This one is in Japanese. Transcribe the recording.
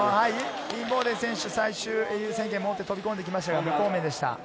インボーデン選手、最終、優先権を持って飛び込んできましたが、無効面でした。